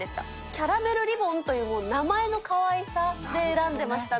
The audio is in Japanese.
キャラメルリボンという名前のかわいさで選んでましたね。